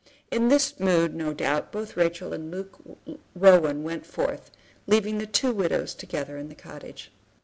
In this mood, no doubt, both Rachel and Luke Rowan went forth, leaving the two widows together in the cottage.